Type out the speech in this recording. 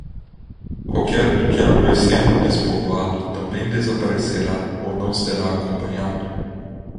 Qualquer um que adoecer no despovoado também desaparecerá ou não será acompanhado.